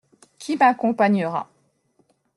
Qui m’accompagnera.